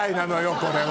これは！